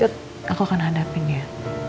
yuk aku akan hadapin dia